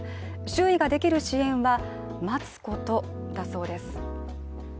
周囲ができる支援は待つことだそうです。